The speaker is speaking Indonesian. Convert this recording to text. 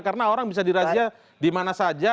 karena orang bisa dirazia di mana saja